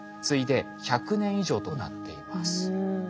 次いで「１００年以上」となっています。